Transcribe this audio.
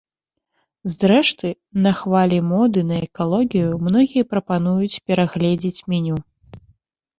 Зрэшты, на хвалі моды на экалогію многія прапануюць перагледзець меню.